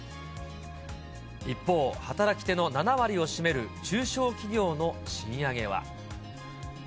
一方、働き手の７割を占める中小企業の賃上げは。